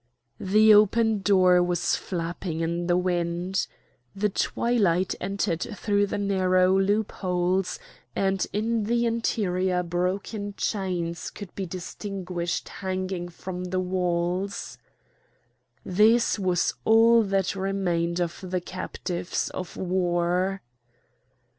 The open door was flapping in the wind. The twilight entered through the narrow loopholes, and in the interior broken chains could be distinguished hanging from the walls. This was all that remained of the captives of war!